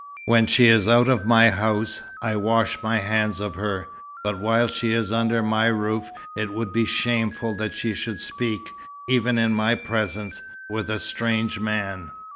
"When she is out of my house, I wash my hands of her; but while she is under my roof it would be shameful that she should speak, even in my presence, with a strange man."